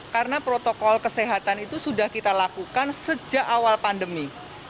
karena protokol kesehatan itu sudah kita lakukan sejak awal pandemi